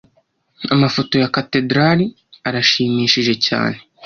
Amafoto ya katedrali arashimishije cyane.